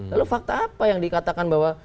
lalu fakta apa yang dikatakan bahwa